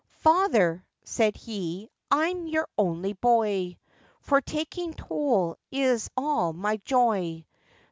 'Father,' said he, 'I'm your only boy, For taking toll is all my joy!